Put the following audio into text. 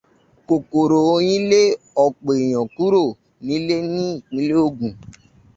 Kòkòrò oyin lé ọ̀pọ̀ èèyàn kúrò nílé ní ìpínlẹ̀ Ògùn.